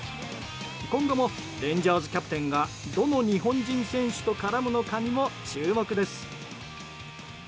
今後もレンジャーズ・キャプテンがどの日本人選手と絡むのかにも注目です。